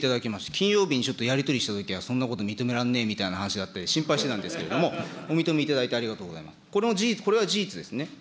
金曜日にちょっとやり取りしたときは、そんなこと認めらんねぇみたいな話だったんですけれども、心配していたんですけれども、お認めいただいてありがとうございます。